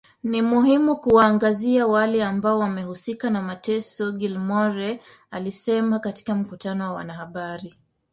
ni muhimu kuwaangazia wale ambao wamehusika na mateso Gilmore alisema katika mkutano na wanahabari